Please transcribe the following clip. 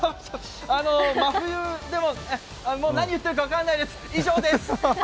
真冬もう何言ってるか分からないです、異常です。